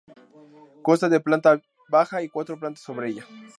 Consta de planta baja y cuatro plantas sobre ella.